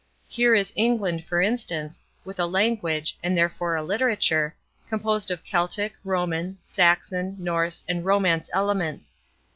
Here is England, for instance, with a language, and therefore a literature, composed of Celtic, Roman, Saxon, Norse, and Romance elements.